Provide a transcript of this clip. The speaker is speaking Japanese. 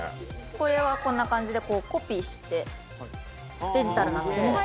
これはこんな感じでコピーしてデジタルなので。